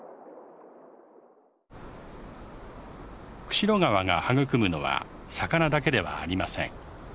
釧路川が育むのは魚だけではありません。